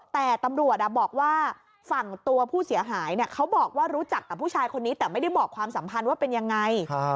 แต่ตำรวจบอกว่าฝั่งตัวผู้เสียหายเขาบอกว่ารู้จักกับผู้ชายคนนี้แต่ไม่ได้บอกความสัมพันธ์ว่าเป็นยังไง